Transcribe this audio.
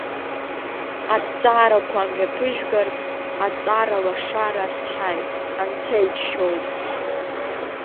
Аҭҵаарақәа мҩаԥыжәгартә, аҵаралашара азҳаит, Анцәа иџьшьоуп.